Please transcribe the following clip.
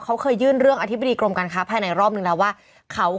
เขาเคยยื่นเรื่องอธิบดีกรมการค้าภายในรอบนึงแล้วว่าเขา